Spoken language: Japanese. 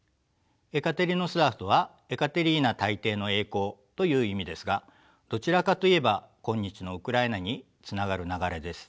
エカテリノスラフとはエカテリーナ大帝の栄光という意味ですがどちらかといえば今日のウクライナにつながる流れです。